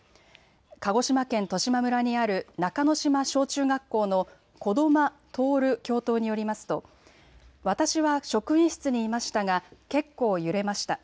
鹿児島県十島村にある中之島小中学校の児玉徹教頭によりますと私は職員室にいましたが結構揺れました。